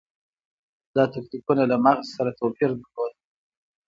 دا تکتیکونه له مغز سره توپیر درلود.